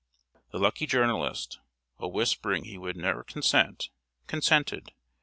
The lucky journalist, while whispering he would ne'er consent, consented.